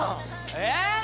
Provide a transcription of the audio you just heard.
えっ？